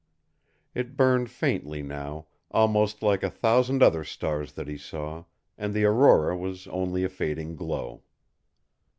It burned faintly now, almost like a thousand other stars that he saw, and the aurora was only a fading glow.